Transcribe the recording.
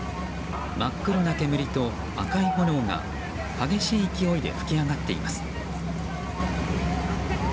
真っ黒な煙と赤い炎が激しい勢いで噴き上がっています。